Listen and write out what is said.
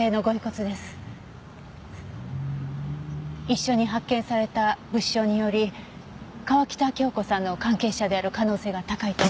一緒に発見された物証により川喜多京子さんの関係者である可能性が高いと。